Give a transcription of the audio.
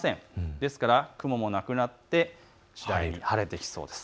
ですから雲がなくなって晴れてきそうです。